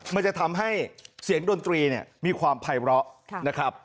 มันจะทำให้เสียงดนตรีเนี่ยมีความภัยเลาะนะครับ